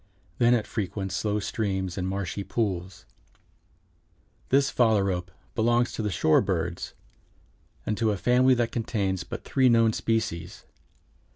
Then it "frequents slow streams or marshy pools." This Phalarope belongs to the shore birds and to a family that contains but three known species.